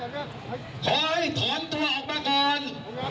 ขอให้ถอนตัวออกมาก่อน